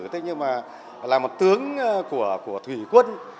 thế nhưng mà là một tướng của thủy quân